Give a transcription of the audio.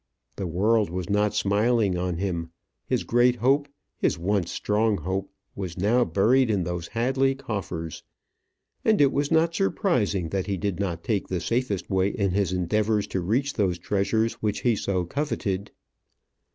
The world was not smiling on him. His great hope, his once strong hope, was now buried in those Hadley coffers; and it was not surprising that he did not take the safest way in his endeavours to reach those treasures which he so coveted.